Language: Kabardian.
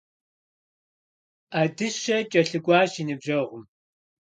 Ӏэдыщэ кӀэлъыкӀуащ и ныбжьэгъум.